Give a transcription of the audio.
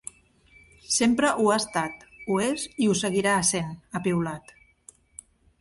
Sempre ho ha estat, ho és i ho seguirà essent, ha piulat.